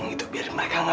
itu biar mereka ga nge ya